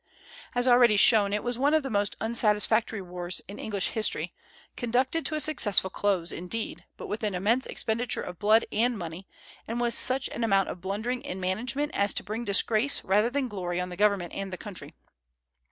As already shown, it was one of the most unsatisfactory wars in English history, conducted to a successful close, indeed, but with an immense expenditure of blood and money, and with such an amount of blundering in management as to bring disgrace rather than glory on the government and the country.